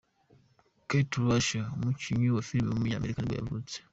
Kurt Russell, umukinnyi wa filime w’umunyamerika nibwo yavutse.